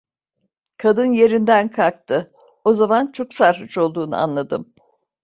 Kadın yerinden kalktı, o zaman çok sarhoş olduğunu anladım.